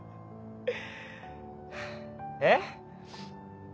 えっ？